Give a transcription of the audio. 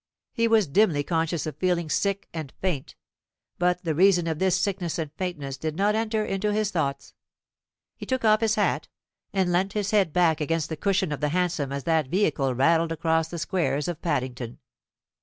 He was dimly conscious of feeling sick and faint, but the reason of this sickness and faintness did not enter into his thoughts. He took off his hat, and leant his head back against the cushion of the hansom as that vehicle rattled across the squares of Paddington.